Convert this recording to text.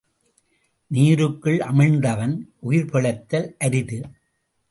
நீருக்குள் அமிழ்ந்தவன் உயிர் பிழைத்தல் அரிது.